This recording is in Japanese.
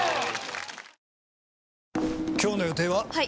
今日の予定は？